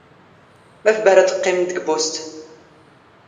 ⵎⴰⴼ ⴱⴰⵀⵔⴰ ⵜⵇⵇⵉⵎⵎ ⴷⴳ ⴱⵓⵙⵜ?